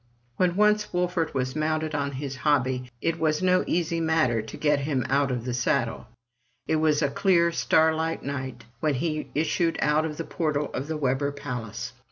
When once Wolfert 140 FROM THE TOWER WINDOW was mounted on his hobby, it was no easy matter to get him out of the saddle. It was a clear starlight night, when he issued out of the portal of the Webber palace.